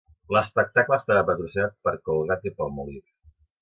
L'espectacle estava patrocinat per Colgate-Palmolive.